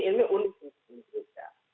ini unik untuk pemerintah